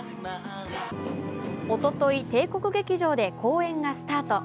おととい、帝国劇場で公演がスタート。